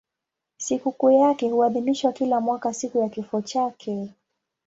Sikukuu yake huadhimishwa kila mwaka siku ya kifo chake.